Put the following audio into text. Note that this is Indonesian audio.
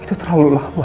itu terlalu lama